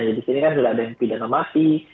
jadi disini kan sudah ada yang pidana mati